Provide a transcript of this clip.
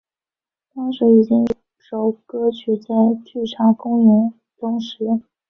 当时已经有数首歌曲在剧场公演中使用。